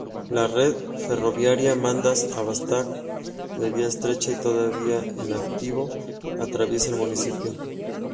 La red ferroviaria Mandas-Arbatax, de vía estrecha y todavía en activo, atraviesa el municipio.